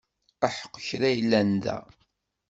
Aḥeqq kra yellan da!